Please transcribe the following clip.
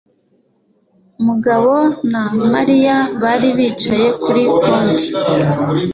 Mugabo na Mariya bari bicaye kuri konti.